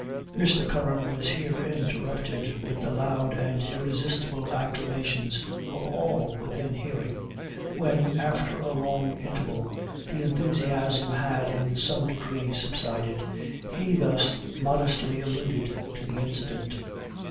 (Mr. Curran was here interrupted with the loud and irresistible acclamations of all within hearing. When, after a long interval, the enthusiasm had in some degree subsided, he thus modestly alluded to the incident).